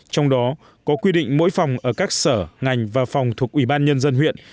trong đó có quy định mỗi phòng ở các sở ngành và phòng thuộc ủy ban nhân dân huyện